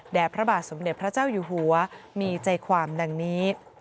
พระบาทสมเด็จพระเจ้าอยู่หัวมีใจความดังนี้